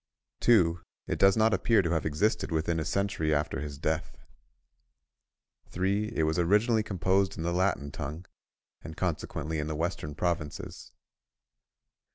2. It does not appear to have existed within a century after his death. 3. It was originally composed in the Latin tongue, and consequently in the western provinces.